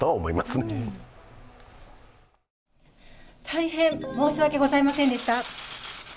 大変申し訳ございませんでした。